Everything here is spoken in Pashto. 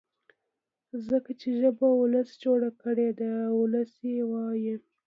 ځکه چي ژبه ولس جوړه کړې ده او ولس يې وايي.